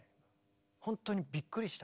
本当にびっくりした。